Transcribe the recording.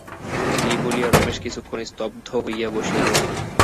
এই বলিয়া রমেশ কিছুক্ষণ স্তব্ধ হইয়া বসিয়া রহিল।